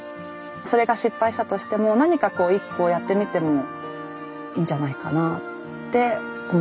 それが失敗したとしても何かこう一個やってみてもいいんじゃないかなって思ったのもきっかけですかね。